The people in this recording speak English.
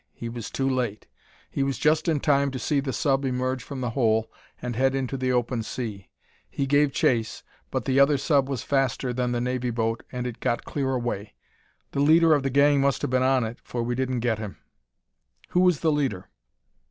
He was too late. He was just in time to see the sub emerge from the hole and head into the open sea. He gave chase, but the other sub was faster than the Navy boat and it got clear away. The leader of the gang must have been on it, for we didn't get him." "Who was the leader?"